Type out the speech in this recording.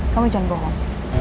kamu jangan bohong